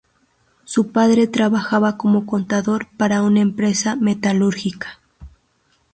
Su padre trabajaba como contador para una empresa metalúrgica.